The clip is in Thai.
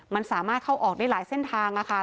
มันสามารถเข้าออกได้หลายเส้นทางค่ะ